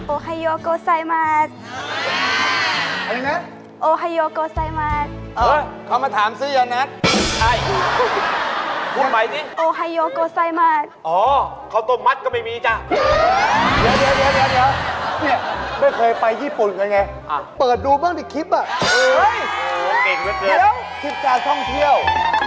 โอ้โฮเก่งมากจริงเดี๋ยว๑๙นาฬิกาท่องเที่ยว